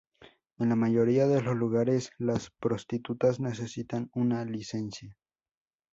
En la mayoría de los lugares, las prostitutas necesitan una licencia.